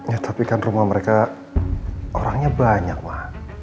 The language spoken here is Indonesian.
ya tapi kan rumah mereka orangnya banyak mah